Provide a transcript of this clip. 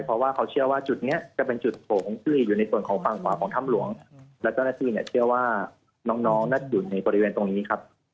เพราะว่าเขาเชื่อว่าจุดนี้จะเป็นจุดโถงที่อยู่ในส่วนของฝั่งขวาของถ้ำหลวงและเจ้าหน้าที่เนี่ยเชื่อว่าน้องน่าจะอยู่ในบริเวณตรงนี้ครับ